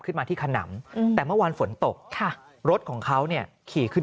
ขึ้นมาที่ขนำแต่เมื่อวานฝนตกค่ะรถของเขาเนี่ยขี่ขึ้น